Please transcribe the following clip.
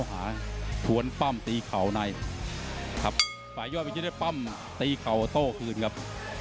ขาวในครับฝ่ายย่อวิชิตได้ปั้มตีเขาโต้คืนครับ